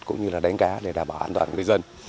cũng như là đánh cá để đảm bảo an toàn người dân